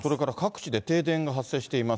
それから各地で停電が発生しています。